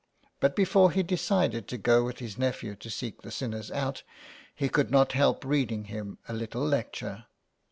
But before he decided to go with his nephew to seek the sinners out, he could not help reading him a little lecture.